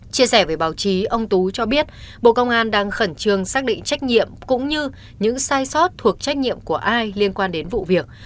chia sẻ với báo chí ông tú cho biết bộ công an đang khẩn trương xác định trách nhiệm cũng như những sai sót thuộc trách nhiệm của ai liên quan đến vụ việc